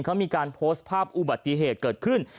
เขามีการโพสต์ภาพอุบัติเหตุเกิดขึ้น